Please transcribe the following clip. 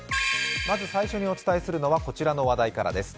まず最初にお伝えするのはこちらの話題からです。